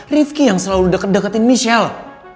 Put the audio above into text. rifki yang selalu deket deketin michelle